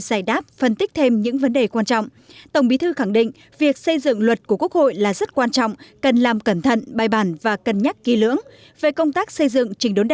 xin chào và hẹn gặp lại trong các bản tin tiếp theo